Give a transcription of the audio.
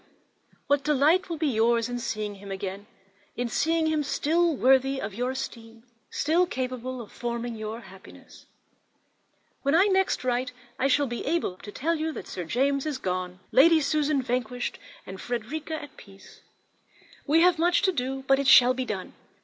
Her calmness astonishes me. What delight will be yours in seeing him again; in seeing him still worthy your esteem, still capable of forming your happiness! When I next write I shall be able to tell you that Sir James is gone, Lady Susan vanquished, and Frederica at peace. We have much to do, but it shall be done.